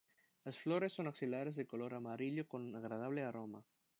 Las flores son axilares de color amarillo con un agradable aroma.